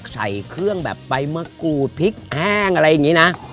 ใส่เครื่องแบบใบมะกรูดพริกแห้งอะไรอย่างนี้นะ